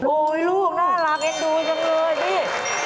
โอ๊ยลูกน่ารักดูอย่างเยอะเลยนี่